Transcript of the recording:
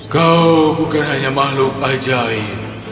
kau bukan hanya makhluk ajaib